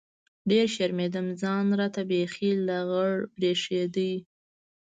ډېر شرمېدم ځان راته بيخي لغړ بريښېده.